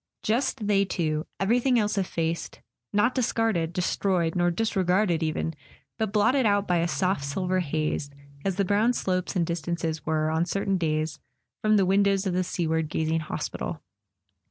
Just they two: everything else effaced; not discarded, destroyed, not disregarded even, but blotted out by a soft silver haze, as the brown slopes and distances were, on certain days, from the windows of the sea¬ ward gazing hospital.